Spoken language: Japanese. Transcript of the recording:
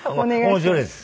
面白いです。